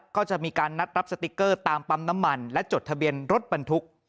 ก็จะมีการนัดรับสติ๊กเกอร์ตามปั๊มน้ำมันและจดทะเบียนรถบรรทุก